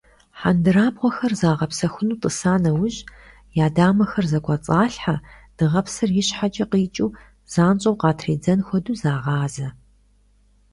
Хьэндырабгъуэхэр загъэпсэхуну тӀыса нэужь, я дамэхэр зэкӀуэцӀалъхьэ дыгъэпсыр ищхьэкӀэ къикӀыу занщӀэу къатридзэн хуэдэу, загъазэ.